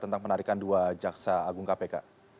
tentang penarikan dua jaksa agung kpk